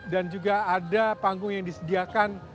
dan juga ada panggung yang disediakan